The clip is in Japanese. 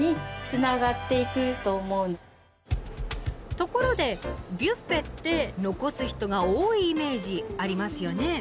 ところでビュッフェって残す人が多いイメージありますよね？